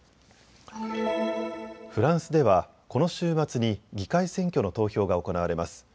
フランスではこの週末に議会選挙の投票が行われます。